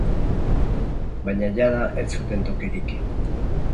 Baina jada ez zuten tokirik.